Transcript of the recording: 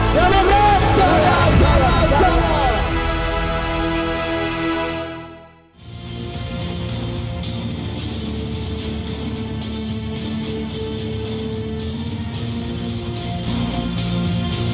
jalan jalan men